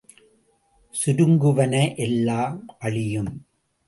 சுருங்குவன எல்லாம் அழியும்.